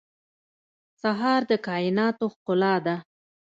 سهار د کایناتو ښکلا ده.